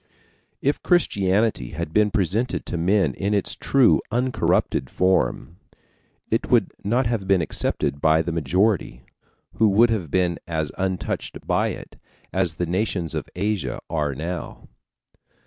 If Christianity had been presented to men in its true, uncorrupted form, it would not have been accepted by the majority, who would have been as untouched by it as the nations of Asia are now.